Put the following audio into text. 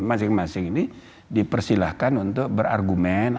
masing masing ini dipersilahkan untuk berargumen